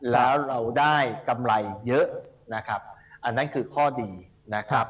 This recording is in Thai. แล้วเราได้กำไรเยอะนะครับอันนั้นคือข้อดีนะครับ